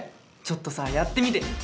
ちょっとさやってみてよ。